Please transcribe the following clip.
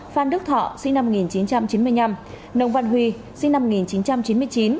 phan đức thọ sinh năm một nghìn chín trăm chín mươi năm nông văn huy sinh năm một nghìn chín trăm chín mươi chín